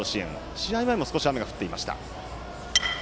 試合前も少し降っていました。